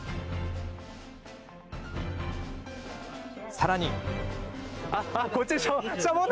さらに。